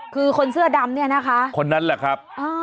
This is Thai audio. คือคนเสื้อดำเนี่ยนะคะคนนั้นแหละครับ